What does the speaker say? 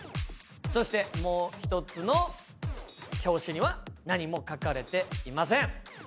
そしてもう１つの表紙には何も書かれていません。